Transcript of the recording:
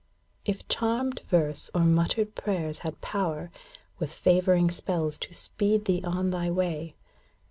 If charmed verse or muttered prayers had power. With favouring spells to speed thee on thy way.